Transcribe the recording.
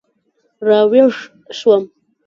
را ویښ شوم.